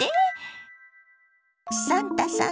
サンタさん